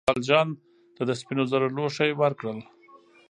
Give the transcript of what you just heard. مذهبي مشر ژان والژان ته د سپینو زرو لوښي ورکړل.